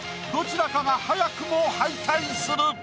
どちらかが早くも敗退する！